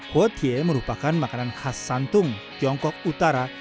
kuotie merupakan makanan khas santung tiongkok utara